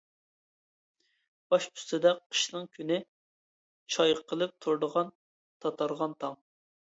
باش ئۈستىدە قىشنىڭ كۈنى چايقىلىپ تۇرىدىغان تاتارغان تاڭ.